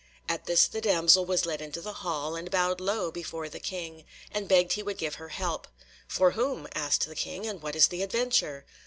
At this the damsel was led into the hall, and bowed low before the King, and begged he would give her help. "For whom?" asked the King, "and what is the adventure?"